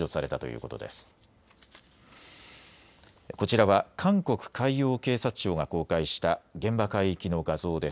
こちらは韓国海洋警察庁が公開した現場海域の画像です。